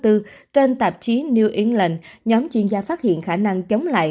trên tạp chí new yengland nhóm chuyên gia phát hiện khả năng chống lại